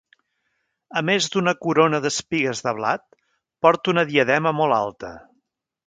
A més d'una corona d'espigues de blat, porta una diadema molt alta.